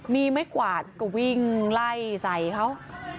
มีไม้กวาดก็วิ่งไล่ใส่เขา